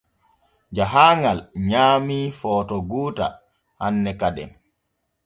Jahaaŋal nyaamii footo goota hanne kaden.